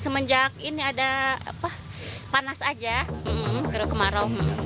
semenjak ini ada panas aja terus kemarau